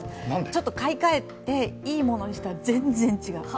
ちょっと買い替えていいものにしたら全然違う。